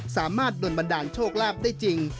สามารถโดนบันดาลโชคลาภได้จริง